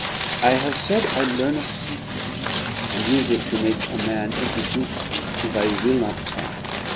I have said I learn' a secret, and use it to make a man introduce me if I will not tell.